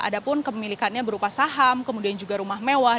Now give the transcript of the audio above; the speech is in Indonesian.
ada pun kepemilikannya berupa saham kemudian juga rumah mewah